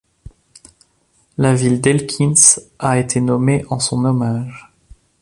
La ville d'Elkins a été nommée en son hommage.